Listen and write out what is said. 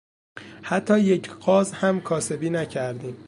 حتی یک غاز هم کاسبی نکردیم!